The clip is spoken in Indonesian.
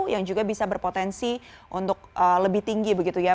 yang juga bisa berpotensi untuk lebih tinggi begitu ya